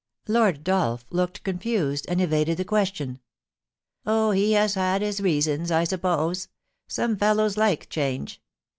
Ixyrd Dolph looked confused, and evaded the question. * Oh, he had his reasons, I suppose ! Some fellows like ^change.